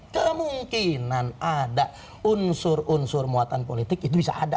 kemungkinan ada unsur unsur muatan politik itu bisa ada